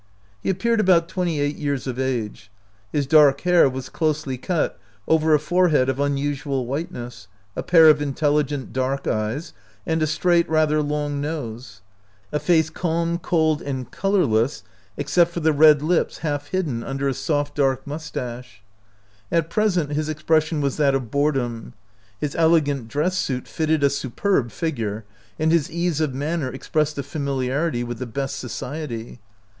He appeared about twenty eight years of age. His dark hair was closely cut over a forehead of unusual whiteness, a pair of intelligent dark eyes, and a straight, rather long nose. A face calm, cold, and colorless, except for the red lips half hidden under a soft, dark mustache. At present his expres sion was that of boredom. His elegant dress suit fitted a superb figure, and his ease of manner expressed a familiarity with the best society.